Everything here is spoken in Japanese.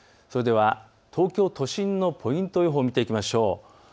それでは東京都心のポイント予報見ていきましょう。